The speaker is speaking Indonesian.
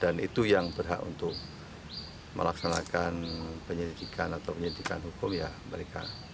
dan itu yang berhak untuk melaksanakan penyelidikan atau penyelidikan hukum ya mereka